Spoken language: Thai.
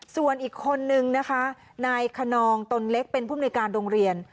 ส่วนอีกคนนึงนะคะนายคนนองตนเล็กเป็นผู้มนุยการโรงเรียน